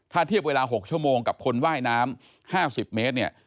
ถ้าเทียบเวลา๖ชั่วโมงกับคนว่ายน้ำ๕๐เมตรเนี่ย